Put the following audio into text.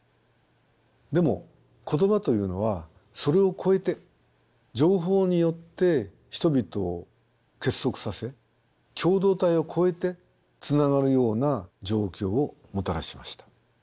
でも言葉というのはそれを超えて情報によって人々を結束させ共同体を超えてつながるような状況をもたらしました。